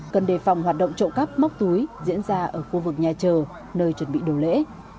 cần đề phòng hoạt động trộm cắp móc túi diễn ra ở khu vực nhà chờ nơi chuẩn bị đồ lễ